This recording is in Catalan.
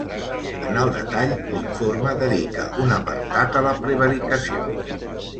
En el detall, l’informe dedica un apartat a la prevaricació.